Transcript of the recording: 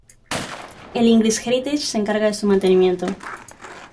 El "English Heritage" se encarga de su mantenimiento.